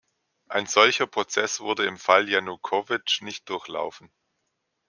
Ein solcher Prozess wurde im Fall Janukowytsch nicht durchlaufen.